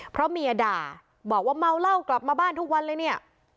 เพราะเมียด่าบอกว่าเมาเหล้ากลับมาบ้านทุกวันเลยเนี่ย